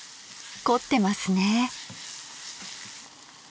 凝ってますね。